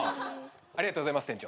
ありがとうございます店長。